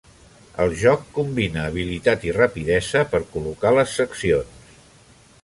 El joc combina habilitat i rapidesa per col·locar les seccions.